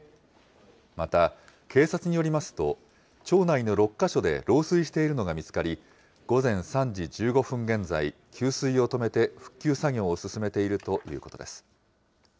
また、警察によりますと、町内の６か所で漏水しているのが見つかり、午前３時１５分現在、給水を止めて復旧作業を進めているということです。